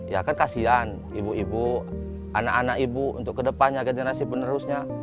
ya kan kasian ibu ibu anak anak ibu untuk kedepannya generasi penerusnya